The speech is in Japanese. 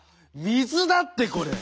水だってこれ。